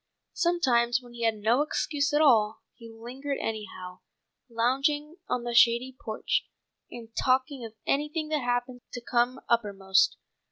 Sometimes when he had no excuse at all he lingered anyhow, lounging on the shady porch, and talking of anything that happened to come uppermost.